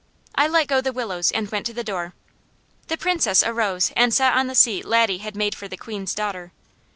I let go the willows and went to the door. The Princess arose and sat on the seat Laddie had made for the Queen's daughter.